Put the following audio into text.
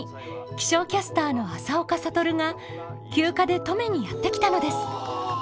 気象キャスターの朝岡覚が休暇で登米にやって来たのです。